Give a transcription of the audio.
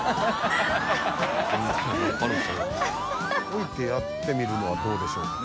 置いてやってみるのはどうでしょうか？